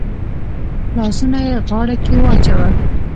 لاسونه يې غاړه کې واچول.